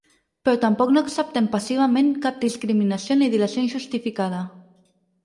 Però tampoc no acceptem passivament cap discriminació ni dilació injustificada.